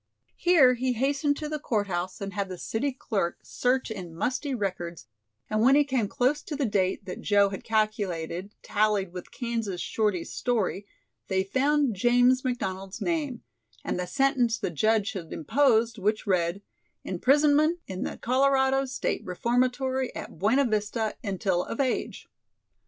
Here he hastened to the court house and had the city clerk search in musty records and when he came close to the date that Joe had calculated tallied with Kansas Shorty's story, they found James McDonald's name, and the sentence the judge had imposed which read: "Imprisonment in the Colorado State Reformatory at Buena Vista until of age."